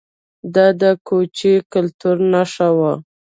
دا د کوچي کلتور نښه وه